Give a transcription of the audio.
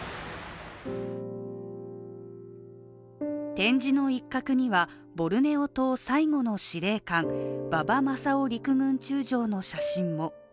展示の一角にはボルネオ島最後の司令官、馬場正郎陸軍中将の写真も。